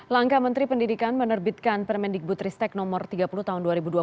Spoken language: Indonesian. langkah menteri pendidikan menerbitkan permendikbutristek no tiga puluh tahun dua ribu dua puluh satu